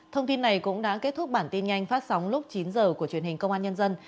thông tin này cũng đã kết thúc bản tin nhanh phát sóng lúc chín h của truyền hình công an nhân dân